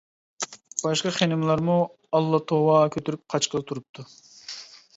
باشقا خېنىملارمۇ ئاللا-توۋا كۆتۈرۈپ قاچقىلى تۇرۇپتۇ.